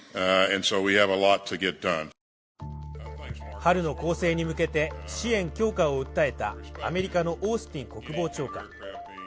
春の攻勢に向けて支援強化を訴えたアメリカのオースティン国防長官。